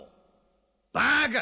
バカ！